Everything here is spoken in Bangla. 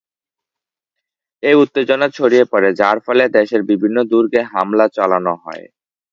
এই উত্তেজনা ছড়িয়ে পড়ে, যার ফলে দেশের বিভিন্ন দুর্গে হামলা চালানো হয়।